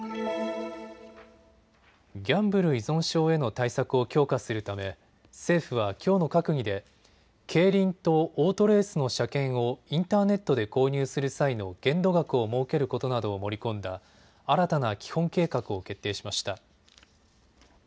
ギャンブル依存症への対策を強化するため政府はきょうの閣議で競輪とオートレースの車券をインターネットで購入する際の限度額を設けることなどを盛り込んだ新たな基本計画を決定しました。